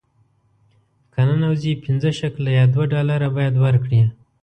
که ننوځې پنځه شکله یا دوه ډالره باید ورکړې.